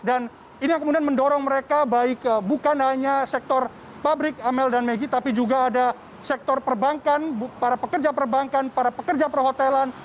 dan ini yang kemudian mendorong mereka baik bukan hanya sektor pabrik amel dan megi tapi juga ada sektor perbankan para pekerja perbankan para pekerja perhotelan